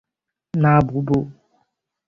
না, বুবু!